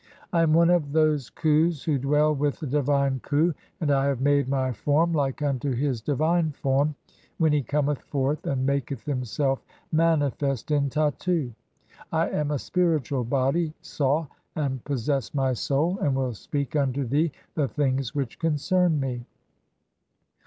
I am one of those Kims who dwell with (i3) the divine u Khu, and I have made my form like unto his divine Form, "when he cometh forth and maketh himself manifest in Tattu. "[I am] a spiritual body (sail) (14) and possess my soul, and "will speak unto thee the things which concern me.